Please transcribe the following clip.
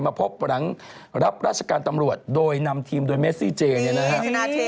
มาพบหลังรับราชการตำรวจโดยนำทีมโดยเมซี่เจเนี่ยนะครับ